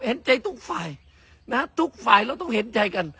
เห็นใจทุกฝ่ายนะฮะทุกฝ่ายเราต้องเห็นใจกัน